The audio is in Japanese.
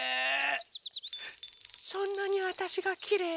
そんなにわたしがきれい？